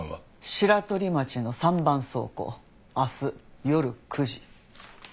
白取町の３番倉庫明日夜９時。